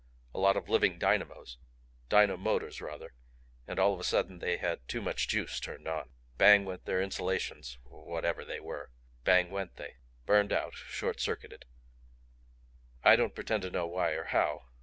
A lot of living dynamos. Dynamotors rather. And all of a sudden they had too much juice turned on. Bang went their insulations whatever they were. "Bang went they. Burned out short circuited. I don't pretend to know why or how.